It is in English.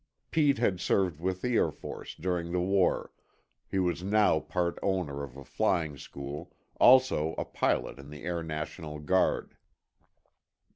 Pete had served with the Air Force during the war; he was now part owner of a flying school, also a pilot in the Air National Guard.